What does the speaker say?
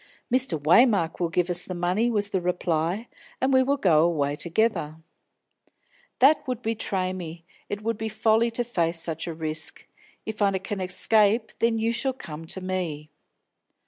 "Mr. Waymark will give us the money," was the reply, "and we will go away together." "That would betray me; it would be folly to face such a risk. If I can escape, then you shall come to me."